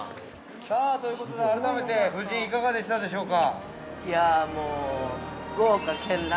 ◆さあ、ということで改めて、夫人いかがでしたでしょうか。